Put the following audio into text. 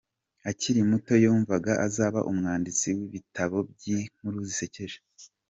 Akiri muto yumvaga azaba umwanditsi w’ibitabo by’inkuru zisekeje.